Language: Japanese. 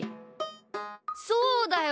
そうだよ！